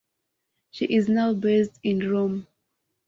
She is now based in Rome.